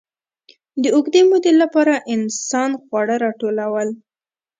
د اوږدې مودې لپاره انسان خواړه راټولول.